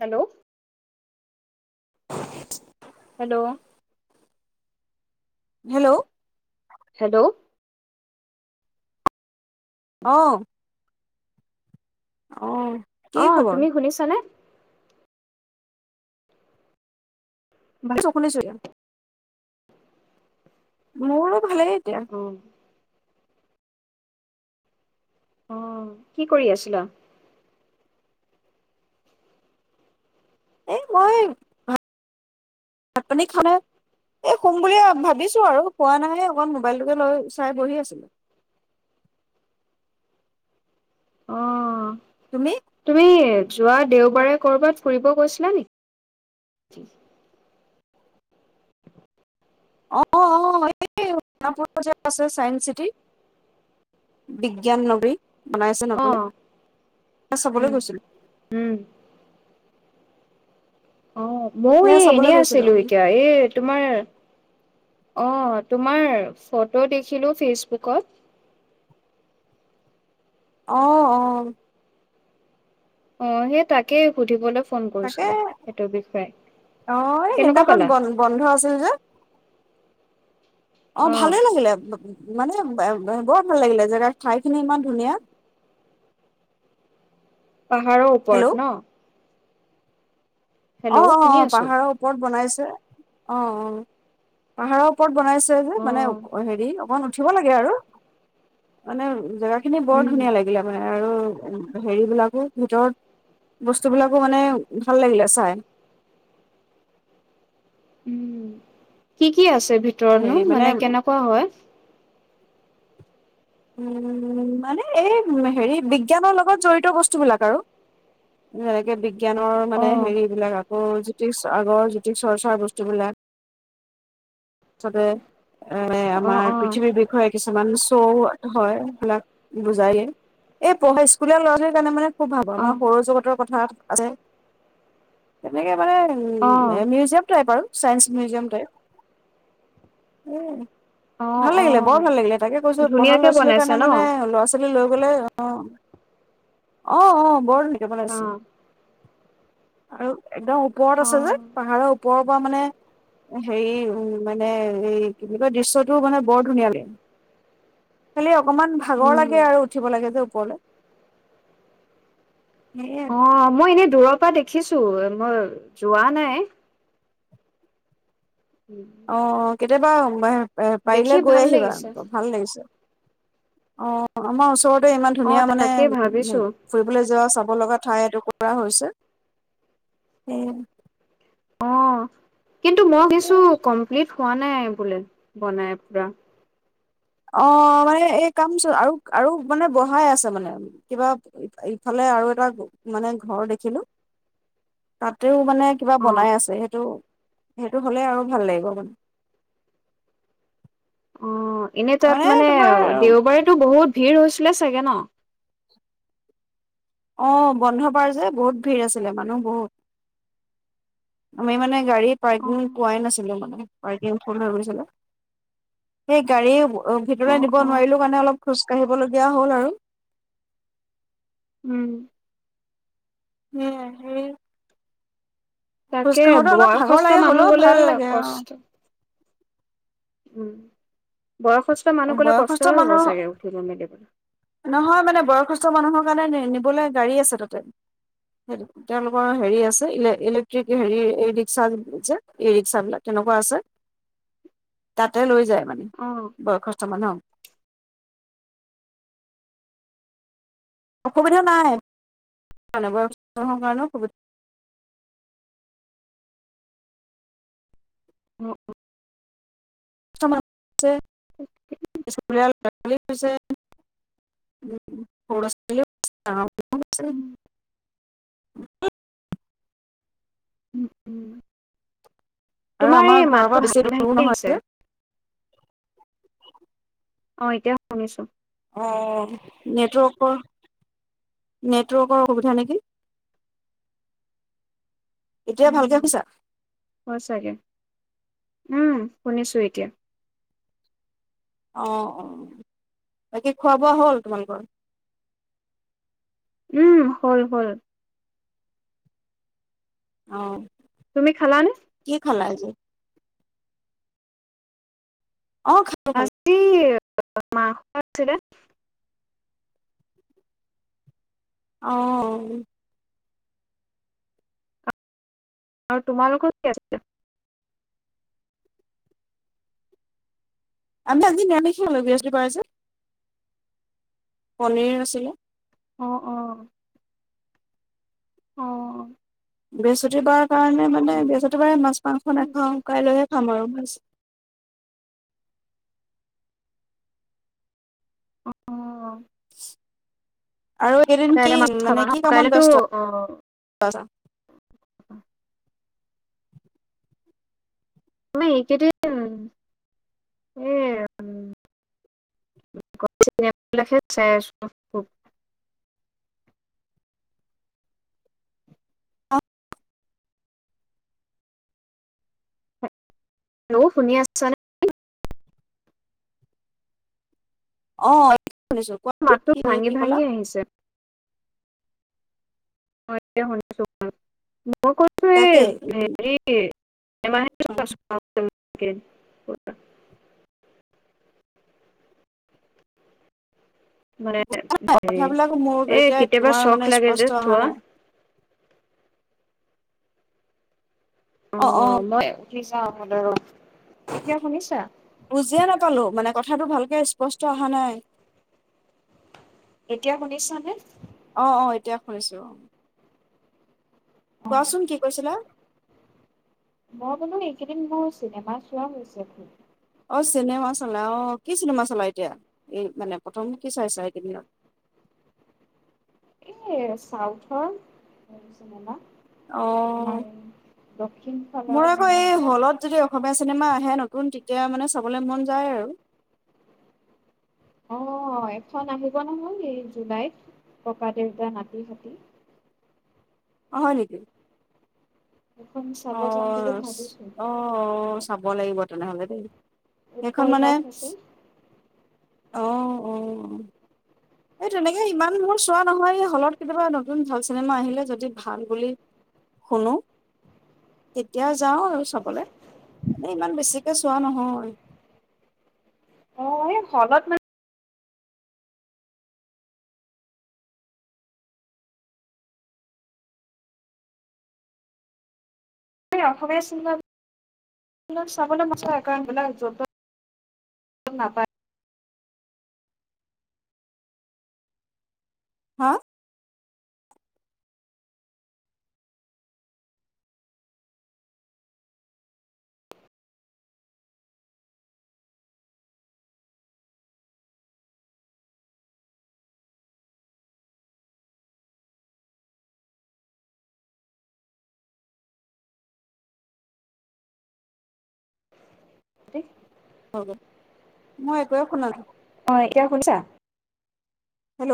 Hello hello hello hello আহ অ অ তুমি শুনিছানে? ভাল চব শুনিছো। মোৰ ভালেই এতিয়া অ অ কি কৰি আছিলা? এ মই ভাত পানী খাই এই শোম বুলিয়ে ভাবিছো আৰু শোৱা নাই অকণ মোবাইলটোকে লৈ চাই বহি আছিলো। অ তুমি তুমি যোৱা দেওবাৰে কৰবাত ফুৰিব গৈছিলা নেকি ‌? অ অ এই প যে আছে চাইন্স চিটি বিজ্ঞান নদী। [unintelligible] বনাই আছে অ নতুনকে চাবলৈ উম গৈছিলো। উম অ ময়ো সেয়া এই চাবলৈ এনে গৈছিলো আছিলো এতিয়া এই তোমাৰ। অ তোমাৰ ফটো দেখিলো ফেচবুকত। অহ অহ অ সেই তাকে সুধিবলৈ। ফোন তাকে কৰিছিলো সেইটোৰ বিষয়ে আহ এই কেনেকুৱা সেইদিনাখন পালা? বন্ বন্ধ আছিল যে। অ ভালে লাগিলে। মানে বৰ ভাল লাগিলে জেগাৰ ঠাই খিনি ইমান ধুনীয়া। পাহাৰৰ হেল্ল' ওপৰত ন? অ হেল্ল' অ শুনি অ আছো। পাহাৰৰ ওপৰত বনাইছে। অ অ পাহাৰৰ ওপৰত। বনাইছে যে অ মানে হেৰি অকন। উঠিব লাগে আৰু মানে জেগাত সেই খিনি বৰ উম ধুনীয়া লাগিলে মানে আৰু হেৰি বিলাকো ভিতৰত বস্তু বিলাকো মানে ভাল লাগিলে চাই। [unintelligible] উম কি কি আছে? ভিতৰতনো মানে কেনেকুৱা হয়? উম মানে এই হেৰি বিজ্ঞানৰ লগত জড়িত বস্তু বিলাক আৰু যেনেকে বি বিজ্ঞানৰ অ মানে হেৰিবলাক আকৌ জ্যোতিষ আগৰ জ্যোতিষ চৰ্চাৰ বস্তুবিলাক চবে এ অ অ আমাৰ পৃথিৱীৰ বিষয়ে কিছুমান হয় সেইবিলাক বুজায়ে এই পঢ়া স্কুলীয়া ল'ৰা ছোৱালীৰ কাৰণে মানে খুব ভাবো অ আমাৰ সৌৰজগতৰ কথা আছে সেনেকে মানে উ অ মিউজিয়াম টাইপ আৰু চাইন্স মিউজিয়াম টাইপ উম অ ভাল অ লাগিলে বৰ ভাল লাগিলে তাকে কৈছো পঢ়া ল'ৰা ধুনীয়াকে ছোৱালীৰ বনাইছে কাৰণে ন মানে ল'ৰা ছোৱালী লৈ গলে অ অ অ বৰ নে অ বনাইছে আৰু একদম ওপৰত অ আছে যে পাহাৰৰ ওপৰত মানে হেৰি উম মানে এই কি বোলে দৃশ্যটো মানে বৰ ধুনীয়া লাগে খালি অকণমান ভাগৰ লাগে উম আৰু উঠিব লাগে যে ওপৰলে সেয়ে অ মই এনেই দূৰৰ পৰা দেখিছো মই যোৱা নাই অ কেতিয়াবা এ পাৰিলে দেখি গৈ ভাল আহিবা লাগিছে ভাল লাগিছে অ আমাৰ ওচৰত ইমান অ ধুনীয়া মানে তাকে ভাবিছো উম ফুৰিবলৈ যোৱা চব মৰম লগা ঠাই এটুকুৰা হৈছে অ কিন্তু মই কিছু কমপ্লিট হোৱা নাই বোলে বনাই পুৰা অ মানে এই কাম আৰু আৰু মানে বঢ়াই আছে মানে কিবা ইফালে আৰু এটা মানে ঘৰ দেখিলো তাতেও মানে কিবা অ বনাই আছে সেইটো সেইটো হলে আৰু ভাল লাগিব মানে এনেই তাত মানে অ দেওবাৰেতো বহুত ভিৰ হৈছে দিলে চাগে ন অ বন্ধ বাৰ যে বহুত ভিৰ আছিলে মানুহ বহুত আমি মানে গাড়ী অ পাৰ্কিং পোৱাই নাছিলো মানে পাৰ্কিং ফুল হৈ গৈছিলে সেই গাড়ী অ ভিতৰে নিব অ নোৱাৰিলো কাৰণে অলপ খোজ কাঢ়িবলগীয়া হল আৰু উম [unintelligible] খোজ তাকে কাঢ়োতে অলপ ভাগৰ বয়সস্থ লাগে মানুহ হ'লেও গলে ভাল লাগে কষ্ট অ। উম বয়সস্থ মানুহ গ'লে বয়সস্থ কষ্টই হ'ব মানুহ চাগে উঠিবলৈ মেলিবলৈ নহয় মানে বয়সস্থ মানুহৰ কাৰণে নি নিবলৈ গাড়ী আছে তাতে তেওঁলোকৰ হেৰি আছেলে ইলেক্ট্ৰিক হেৰি ৰিক্সা ই ৰিক্সাবলাক তেনেকুৱা আছে তাতে লৈ যায় মানে অ বৰ কষ্ট মানেহ অসুবিধা নাই মৰ কাৰণে অসুবিধা উ ছে অ উম উম আৰু আমাৰ ঘৰৰ পৰা বেছি দূৰবোৰ আহিছে নহয় যে [unintelligible] অ এতিয়া শুনিছো অ নেটৱৰ্কৰ নেটৱৰ্কৰ সুবিধা নেকি এতিয়া উম ভালকে শুনিছা হয় চাগে উম শুনিছো এতিয়া অঁ অ বাকী খোৱা বোৱা হ'ল তোমালোকৰ উম হ'ল হ'ল অ তুমি খালানে কি খালা আজি অ খালো খালো মাঙখ আছিল অ আৰু তোমালোকৰ কি আছে আমি আদিন নমি খোলো বহসি প যে পনীৰ আছিলে অ অ অ বৃহস্পতিবাৰ কাৰণে মানে বৃহস্পতি বাৰ মাছ মাংস নাখাওঁ কাই লৈহে আমাৰো বাছ অ [unintelligible] আৰু এদিন কি কাইলৈ মাছ খাবা মানে ন কি কামত কাইলেতো ব্যস্ত উ মই এইেইদিন এই উ চে চাই আছো হেল্ল' শুনি আছ ছা নে অ শুনিছো কোৱা মাতটো কি কৰি ভাঙি কি কলা ভাঙি আহিছে অহ এতিয়া শুনিছোঁ মই কৈছোঁ তাকে এই হেৰি মে [unintelligible] মানে হেৰি কথাবিলাকো মোৰ এই এতিয়া কেতিয়াবা তোমাৰ মানে চখ লাগে স্পষ্ট যে অহা চোৱা নাই অ অ ছ হ [unintelligible] বুজিয়ে নাপালো মানে কথাটো ভাল স্পষ্ট অহা নাই । এতিয়া গুনিছা নে? অ অ এতিয়া শুনিছো অ'। কোৱাচোন কি কৈছিলা মই বলো এইকেইদিন মোৰ চিনেমা চোৱা হৈছে ভুল অ চিনেমা চালা অ কি চিনেমা চালা এতিয়া এই মানে প্ৰথম কি চাই চা এইকেইদিনত এই চাউথৰ জানো অ দক্ষিণ ফালৰ মোৰ আকৌ মানে এই এইবিলাক হলত যদি অসমীয়া চিনেমা আহে নতুন এতিয়া মানে চাবলে মন যায় আৰু অ এখন আহিব নহয এই জুলাইত ককা দেউতা নাতি পোতি অ নেকি এখন চাব অ যাম বুলি ভাবিছো অ চাব লাগিব তেনেহ'লে দেই সেইখন উৎপল মানে দাস আছে আহ আহ এই তেনেকে ইমান মোৰ চোৱা নহয় হলত কেতিয়াবা নতুন ভাল চিনেমা আহিলে যদি ভাল বুলি শুনো তেতিয়া যাও আৰু চাবলৈ ইমান বেছিকে চোৱা নহয় অ' হলত ইমান অসমীয়া চিনেমা চাবলৈ মন যায় কাৰণ এইবিলাক যত টোত নাপায় হা ঠ [unintelligible] হ মই একোৱে শুনানাই অ এতিয়া শুনিছা হেল্ল'